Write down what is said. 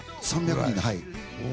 ３００人で、はい。